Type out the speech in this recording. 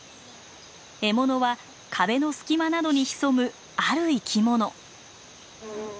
獲物は壁の隙間などに潜むある生き物。